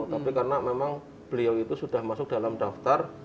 tapi karena memang beliau itu sudah masuk dalam daftar